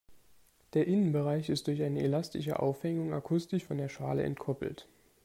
Der Innenbereich ist durch eine elastische Aufhängung akustisch von der Schale entkoppelt.